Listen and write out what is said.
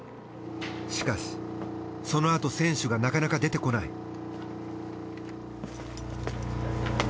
しかしそのあと選手がなかなか出てこない。